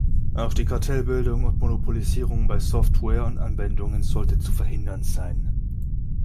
Auch die Kartellbildung und Monopolisierung bei Software und Anwendungen sollte zu verhindern sein.